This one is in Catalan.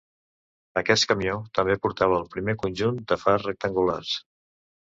Aquest camió també portava el primer conjunt de fars rectangulars.